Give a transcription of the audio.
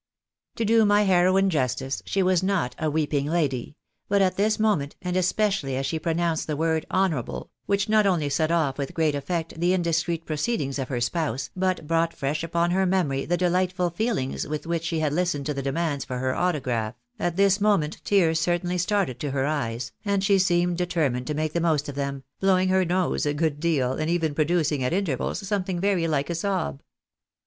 203 To do my heroine justice, she was not a weeping lady ; but at this moment, and especially as she pronounced the word honour able, which not only set off with great effect the indiscreet pro ceedings of her spouse, but brought fresh upon her memory the delightful feelings with which she had listened to the demands for her autograph, at this moment tears certainly started to her eyes, and she seemed determined to make the most of them, blowing her nose a good deal, and even producing at intervals something very like a sob.